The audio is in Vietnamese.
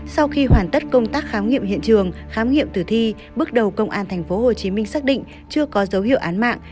sau khi hoàn tất công tác khám nghiệm hiện trường khám nghiệm tử thi bước đầu công an tp hcm xác định chưa có dấu hiệu án mạng